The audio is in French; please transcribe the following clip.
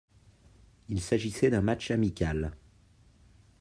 Il s'agissait d’un match amical.